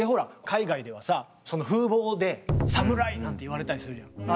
海外ではさその風貌でサムライなんて言われたりするじゃない。